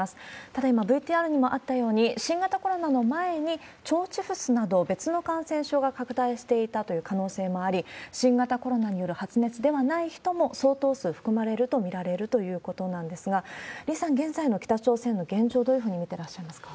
ただ、今、ＶＴＲにもあったように、新型コロナの前に腸チフスなど、別の感染症が拡大していたという可能性があり、新型コロナによる発熱ではない人も、相当数含まれると見られるということなんですが、李さん、現在の北朝鮮の現状、どういうふうに見ていらっしゃいますか？